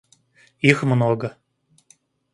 Их много.